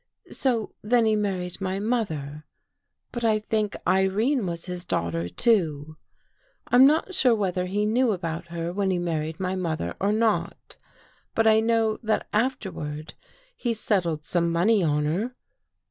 So then he mar ried my mother. But I think Irene was his daugh ter, too. " I'm not sure whether he knew about her when he married my mother or not. But I know that afterward he settled some money on her.